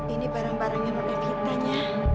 ini barang barang yang ada kitanya